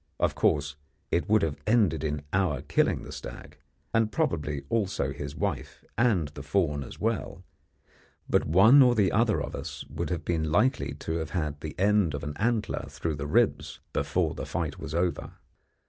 Of course it would have ended in our killing the stag and probably also his wife and the fawn as well but one or the other of us would have been likely to have had the end of an antler through the ribs before the fight was over.